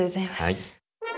はい。